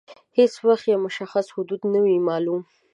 هیڅ وخت یې مشخص حدود نه وه معلوم.